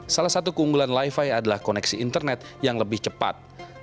salah satu keunggulan lifi adalah koneksi internet yang lebih cepat